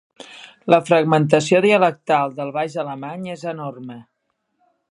La fragmentació dialectal del baix-alemany és enorme.